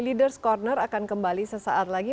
leaders ⁇ corner akan kembali sesaat lagi